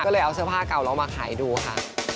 ก็เลยเอาเสื้อผ้าเก่าเรามาขายดูค่ะ